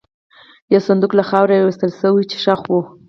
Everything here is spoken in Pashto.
یو صندوق له خاورې را وایستل شو، چې ښخ و.